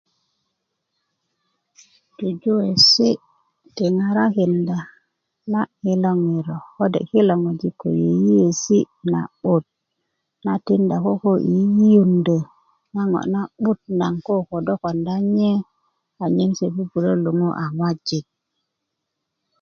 jujuwesi i ŋarakinda na i lo ŋiro kode kilo ŋojik ko yeiyesi na'but na tinda kokobi yiyiunda na ŋo na'but nagon ko kodo konda nye anyen se bubulö luŋu a ŋojik